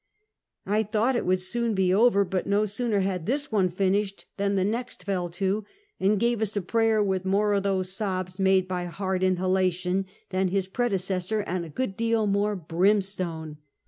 I thought it would soon be over; but no sooner had Moke Yiotims and a Change of Base. 337 this one finislied than the next fell to, and gave ns a praj^er with more of those sobs made by hard inhala tion than his predecessor, and a good deal more brim stone.